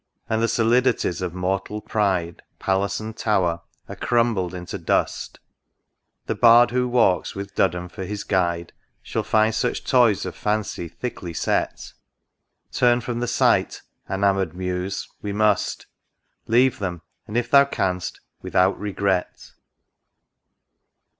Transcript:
And the solidities of mortal pride. Palace and Tower, are crumbled into dust !— The Bard who walks with Duddon for his guide, Shall find such toys of Fancy thickly set :— Turn from the sight, enamoured Muse — we must ; Leave them — and, if thou canst, without regret